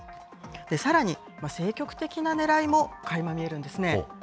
さらに、政局的なねらいもかいま見えるんですね。